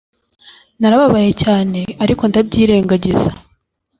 Narababaye cyane ariko ndabyirengagiza